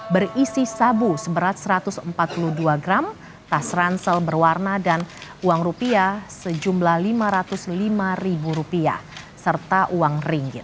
berisi sabu seberat satu ratus empat puluh dua gram tas ransel berwarna dan uang rupiah sejumlah lima ratus lima serta uang ringgit